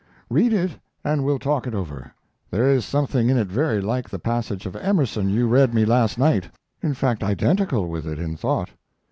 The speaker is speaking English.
Read it, and we'll talk it over. There is something in it very like the passage of Emerson you read me last night, in fact identical with it in thought.